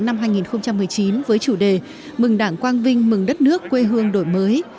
năm hai nghìn một mươi chín với chủ đề mừng đảng quang vinh mừng đất nước quê hương đổi mới